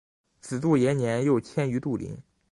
子杜延年又迁于杜陵。